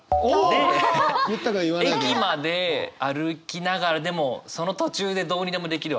で駅まで歩きながらでもその途中でどうにでもできるわけですよね。